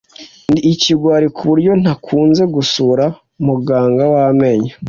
Ndi ikigwari kuburyo ntakunze gusura muganga w amenyo.